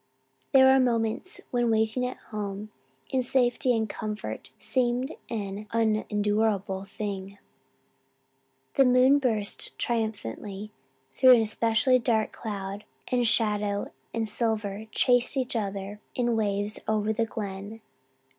There were moments when waiting at home, in safety and comfort, seemed an unendurable thing. The moon burst triumphantly through an especially dark cloud and shadow and silver chased each other in waves over the Glen.